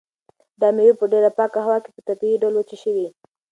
دا مېوې په ډېره پاکه هوا کې په طبیعي ډول وچې شوي.